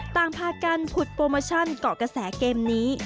ต่างพากันผุดโปรโมชั่นเกาะกระแสเกมนี้